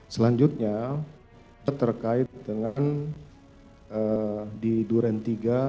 selanjutnya terkait dengan di duren tiga